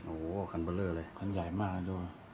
โอ้โหคันเบอร์เลอร์เลยคันใหญ่มากด้วย